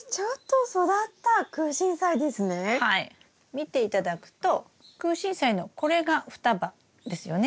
見て頂くとクウシンサイのこれが双葉ですよね。